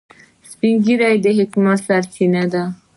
سپین ږیری د حکمت سرچینه ده